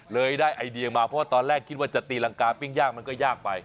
ได้ไอเดียมาเพราะว่าตอนแรกคิดว่าจะตีรังกาปิ้งย่างมันก็ยากไป